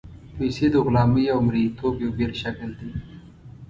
پیسې د غلامۍ او مرییتوب یو بېل شکل دی.